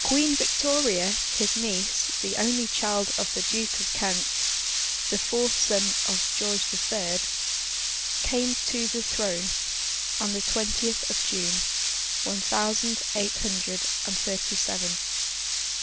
Queen Victoria, his niece, the only child of the Duke of Kent, the fourth son of George the Third, came to the throne on the twentieth of June, one thousand eight hundred and thirty seven.